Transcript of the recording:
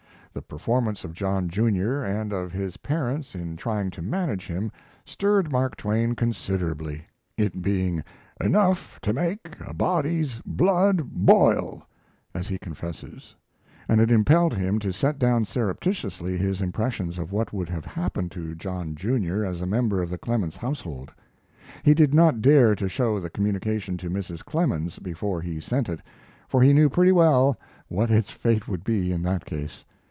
The performance of John junior, and of his parents in trying to manage him, stirred Mark Twain considerably it being "enough to make a body's blood boil," as he confesses and it impelled him to set down surreptitiously his impressions of what would have happened to John Junior as a member of the Clemens household. He did not dare to show the communication to Mrs. Clemens before he sent it, for he knew pretty well what its fate would be in that case.